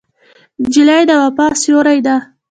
نجلۍ د وفا سیوری ده.